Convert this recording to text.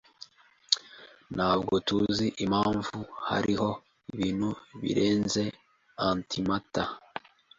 Ntabwo tuzi impamvu hariho ibintu birenze antimatter.